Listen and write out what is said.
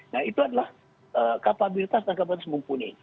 nah itu adalah kapabilitas dan kapasitas mumpuni